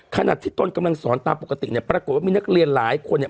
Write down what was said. ขณะที่ตนกำลังสอนตามปกติเนี่ยปรากฏว่ามีนักเรียนหลายคนเนี่ย